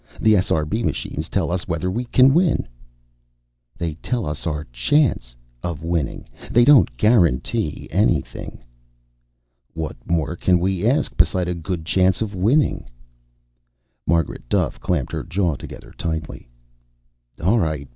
"The SRB machines tell us whether we can win." "They tell us our chance of winning. They don't guarantee anything." "What more can we ask, beside a good chance of winning?" Margaret Duffe clamped her jaw together tightly. "All right.